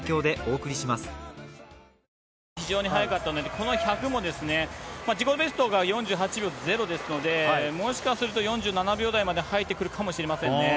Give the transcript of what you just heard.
この１００も自己ベストが４８秒０ですので、もしかすると４７秒台まで入ってくるかもしれませんね。